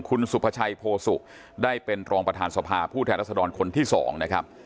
คุณสุภาชัยโพสุได้เป็นรองประธานสภาผู้แทนรัศดรคนที่๒นะครับ